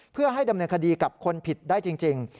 เพื่อให้ดำเนินคดีกับคนผิดได้จริง